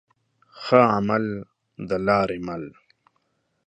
ښه عمل د لاري مل.